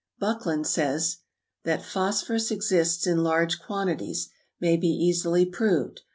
Buckland says, "That phosphorus exists in large quantities, may be easily proved.